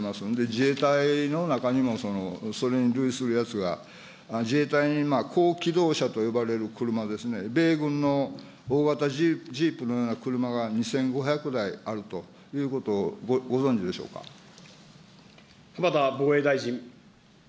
自衛隊の中にも、それに類するやつが自衛隊に高機動車と呼ばれる車ですね、米軍の大型ジープのような車が２５００台あるということをご存じ浜田防衛大臣。